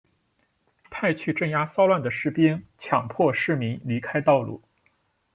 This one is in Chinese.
派去镇压骚乱的士兵强迫市民离开道路。